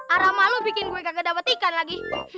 arah malu bikin gue kagak dapet ikan lagi